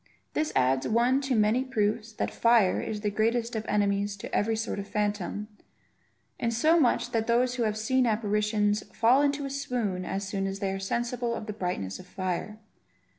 This adds one to the many proofs that fire is the greatest of enemies to every sort of phantom; in so much that those who have seen apparitions, fall into a swoon as soon as they are sensible of the brightness of fire.